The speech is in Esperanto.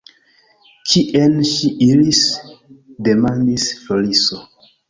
Kien ŝi iris? demandis Floriso.